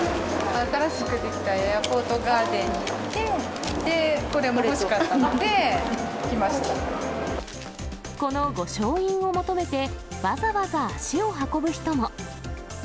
新しく出来たエアポートガーデンに行って、これも欲しかったので、この御翔印を求めて、わざわざ足を運ぶ人も。